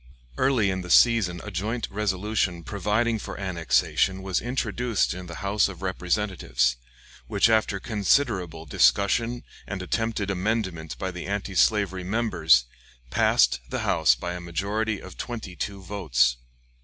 Early in the session a joint resolution providing for annexation was introduced in the House of Representatives, which, after considerable discussion and attempted amendment by the anti slavery members, passed the House by a majority of twenty two votes.